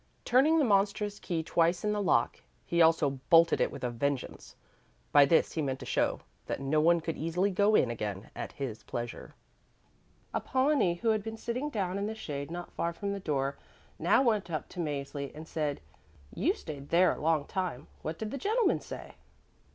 Turning the monstrous key twice in the lock, he also bolted it with a vengeance. By this he meant to show that no one could easily go in again at his pleasure. Apollonie, who had been sitting down in the shade not far from the door now went up to Mäzli and said, "You stayed there a long time. What did the gentleman say?"